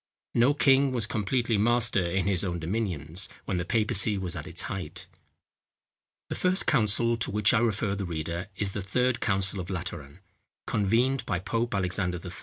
No king was completely master in his own dominions, when the papacy was at its height. The first council to which I refer the reader is The Third Council of Lateran, convened by Pope Alexander III.